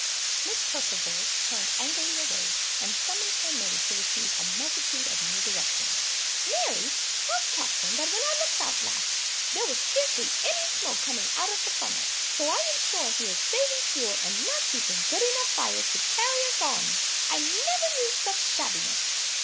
Miss Perceval turned angrily away, and summoned her maid to receive a multitude of new directions. "Mary, tell the Captain that when I looked out last, there was scarcely any smoke coming out of the funnel, so I am sure he is saving fuel, and not keeping good enough fires to carry us on! I never knew such shabbiness!